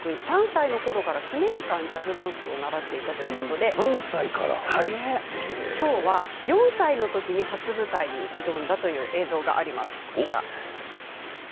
３歳のころから９年間ジャズダンスを習っていたということできょうは４歳のときに初舞台に挑んだという映像があります。